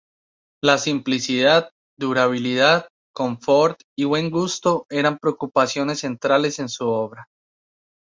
La simplicidad, durabilidad, confort y buen gusto eran preocupaciones centrales en su obra.